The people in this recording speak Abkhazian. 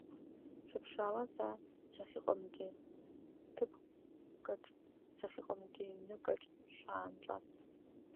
Шәыԥшаала са сахьыҟамгьы ҭыԥкаҿ, сахьыҟамгьы ҩныкаҿ шәаанҿас.